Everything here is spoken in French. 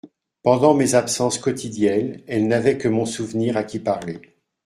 Pendant mes absences quotidiennes, elle n'avait que mon souvenir à qui parler.